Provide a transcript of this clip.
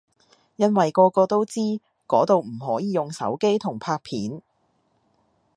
因為個個都知嗰度唔可以用手機同拍片